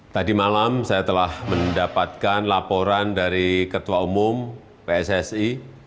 tadi malam saya telah mendapatkan laporan dari ketua umum pssi